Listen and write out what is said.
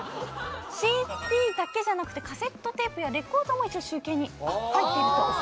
ＣＤだけじゃなくカセットテープやレコードも一応集計に入ってる。